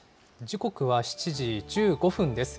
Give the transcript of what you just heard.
時刻は７時１５分です。